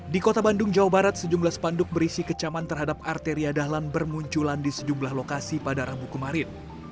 di kota bandung jawa barat sejumlah spanduk berisi kecaman terhadap arteria dahlan bermunculan di sejumlah lokasi pada rabu kemarin